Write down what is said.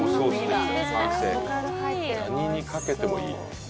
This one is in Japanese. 何にかけてもいい。